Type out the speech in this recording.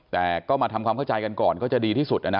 แต่ก็มาทำความเข้าใจกันก่อนก็จะดีที่สุดนะ